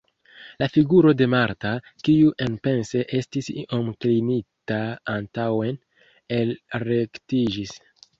La figuro de Marta, kiu enpense estis iom klinita antaŭen, elrektiĝis.